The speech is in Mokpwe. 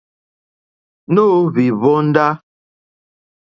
Nǒhwì hwóndá.